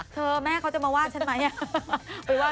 เธอแม่เขาจะมาวาดใช่ไหม